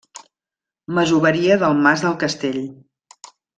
Masoveria del mas del Castell.